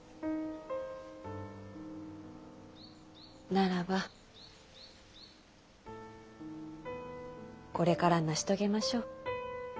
ならばこれから成し遂げましょう。